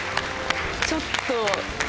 ちょっと。